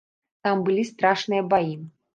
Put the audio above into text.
Там былі страшныя баі.